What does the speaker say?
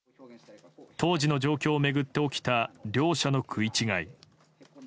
当時の状況を巡って起きた両者の食い違い。